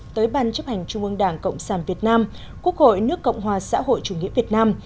tới ban chấp hành trung ương đảng cộng sản việt nam quốc hội nước cộng hòa xã hội chủ nghĩa việt nam